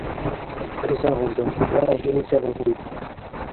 Риза булды: - Ярай, һинеңсә булһын.